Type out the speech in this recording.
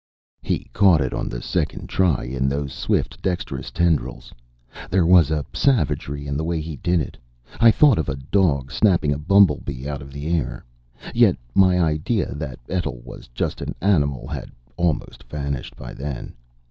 He caught it on the second try, in those swift, dextrous tendrils. There was a savagery in the way he did it. I thought of a dog snapping a bumblebee out of the air. Yet my idea that Etl was just an animal had almost vanished by then.